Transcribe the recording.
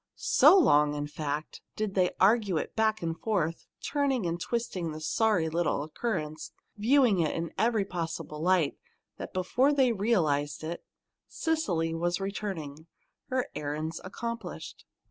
So long, in fact, did they argue it back and forth, turning and twisting the sorry little occurrence, viewing it in every possible light, that before they realized it, Cecily was returning, her errands accomplished.